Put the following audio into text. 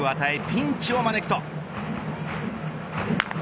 ピンチを招くと。